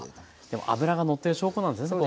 でも脂がのってる証拠なんですね